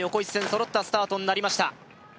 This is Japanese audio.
揃ったスタートになりました